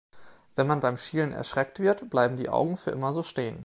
Wenn man beim Schielen erschreckt wird, bleiben die Augen für immer so stehen.